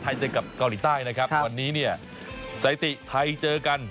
เจอกับเกาหลีใต้นะครับวันนี้เนี่ยสถิติไทยเจอกัน